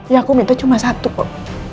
ya aku minta cuma satu kok